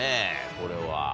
これは。